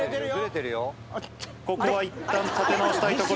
ここはいったん、立て直したいところ。